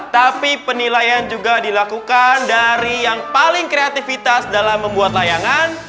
tapi penilaian juga dilakukan dari yang paling kreativitas dalam membuat layangan